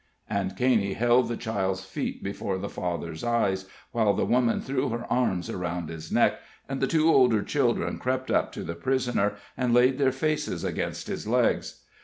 And Caney held the child's feet before the father's eyes, while the woman threw her arms around his neck, and the two older children crept up to the prisoner, and laid their faces against his legs.